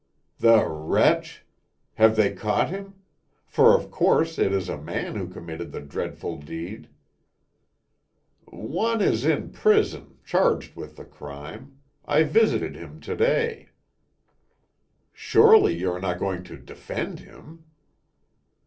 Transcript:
"The wretch! Have they caught him? For of course it is a man who committed the dreadful deed." "One is in prison, charged with the crime. I visited him to day." "Surely you are not going to defend him?"